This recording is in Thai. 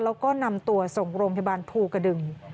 แล้วก็นำตัวส่งโรงพยาบาลภูกระดึง